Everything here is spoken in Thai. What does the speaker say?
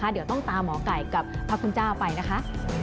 เดี๋ยวต้องตามหมอไก่กับพระคุณเจ้าไปนะคะ